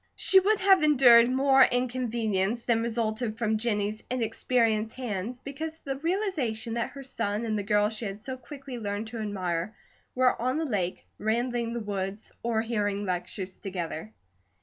She would have endured more inconvenience than resulted from Jennie's inexperienced hands because of the realization that her son and the girl she had so quickly learned to admire were on the lake, rambling the woods, or hearing lectures together.